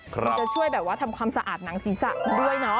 มันจะช่วยแบบว่าทำความสะอาดหนังศีรษะคุณด้วยเนาะ